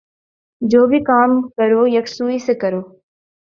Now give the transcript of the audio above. جو بھی کام کرو یکسوئی سے کرو